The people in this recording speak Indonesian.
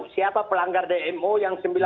siapa pelanggar dmo yang